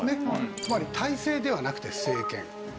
つまり大政ではなくて政権。